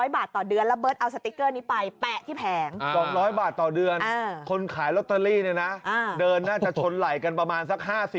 เบิร์ตจ่ายตังมาก่อน